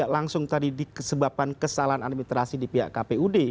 langsung tadi di kesempatan kesalahan imitrasi di pihak kpud